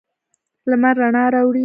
لمر رڼا راوړي.